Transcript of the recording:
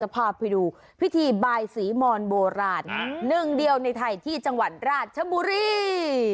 พักทำว่าเป็นมีวิธีใบสีมอนโบราณหนึ่งเดียวในไทยที่จังหวันราชชมุรี